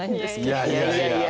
いやいやいやいや。